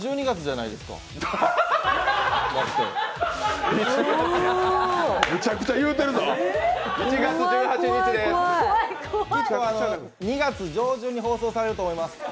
２月上旬に放送されると思います。